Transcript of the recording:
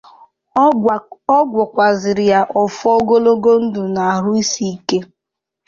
Ọ gọkwazịịrị ya ọfọ ogologo ndụ na ahụ ike